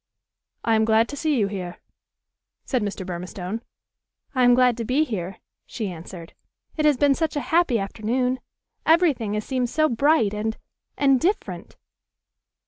"I am glad to see you here," said Mr. Burmistone. "I am glad to be here," she answered. "It has been such a happy afternoon. Every thing has seemed so bright and and different!"